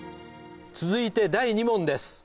続いて第２問です